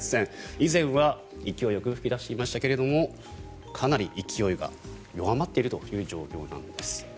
以前は勢いよく噴き出していましたがかなり勢いが弱まっているという状況なんです。